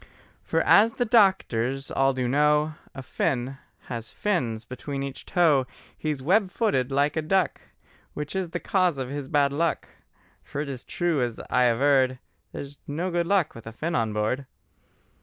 For as the doctors all do know, A Finn has fins between each toe: He is web footed like a duck; Which is the cause of his bad luck: For it is true, as I averred, There's no good luck with a Finn on board.